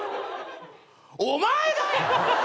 お前だよ！